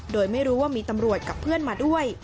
โดยไม่รู้ว่ามีตำรวจกับเพื่อนมาด้วย